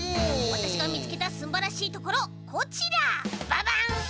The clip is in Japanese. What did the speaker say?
わたしがみつけたすんばらしいところこちらばばん！